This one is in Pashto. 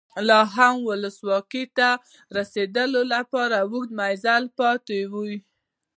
لا هم ولسواکۍ ته د رسېدو لپاره اوږد مزل پاتې و.